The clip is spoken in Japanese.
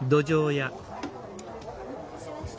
お待たせしました。